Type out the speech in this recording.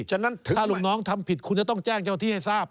ฉะนั้นถ้าลูกน้องทำผิดคุณจะต้องแจ้งเจ้าที่ให้ทราบ